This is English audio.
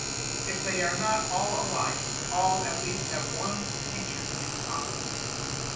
If all are not alike, all at least have one feature in common.